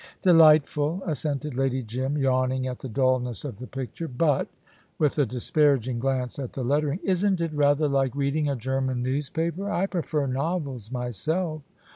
"Delightful," assented Lady Jim, yawning at the dullness of the picture; "but" with a disparaging glance at the lettering "isn't it rather like reading a German newspaper? I prefer novels myself."